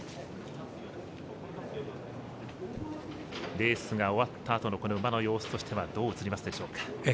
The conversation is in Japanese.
レースが終わったあとの馬の様子はどう映りますでしょうか？